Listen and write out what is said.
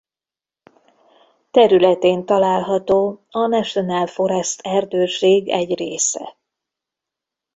Területén található a National Forest erdőség egy része.